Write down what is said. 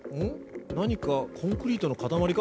何かコンクリートの塊か？